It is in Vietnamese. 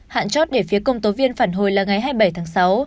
hạn chót để phía công tố viên phản hồi là ngày hai mươi bảy tháng sáu